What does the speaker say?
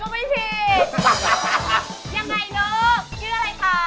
ยังไงลูกชื่ออะไรคะ